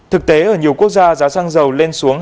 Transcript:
thực tế ở nhiều quốc gia giá sang giàu lên xuống